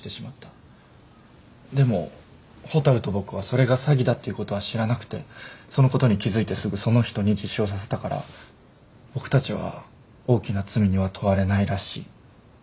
でも蛍と僕はそれが詐欺だっていうことは知らなくてそのことに気付いてすぐその人に自首をさせたから僕たちは大きな罪には問われないらしい。